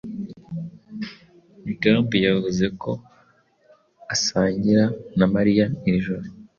Migambi yavuze ko asangira na Mariya iri joro.